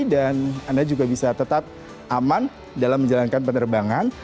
dan anda juga bisa tetap aman dalam menjalankan penerbangan